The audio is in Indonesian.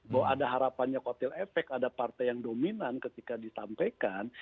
bahwa ada harapannya kotil efek ada partai yang dominan ketika disampaikan